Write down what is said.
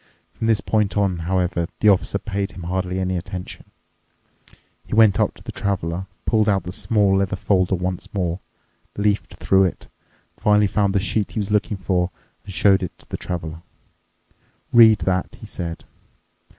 From this point on, however, the Officer paid him hardly any attention. He went up to the Traveler, pulled out the small leather folder once more, leafed through it, finally found the sheet he was looking for, and showed it to the Traveler. "Read that," he said.